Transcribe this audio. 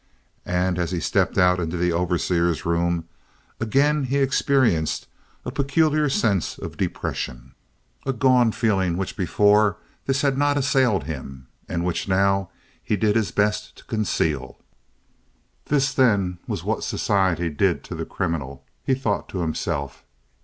And as he stepped out into the overseer's room again he experienced a peculiar sense of depression, a gone feeling which before this had not assailed him and which now he did his best to conceal. This, then, was what society did to the criminal, he thought to himself.